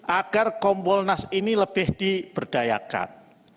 agar kompolnas ini lebih diberdayakan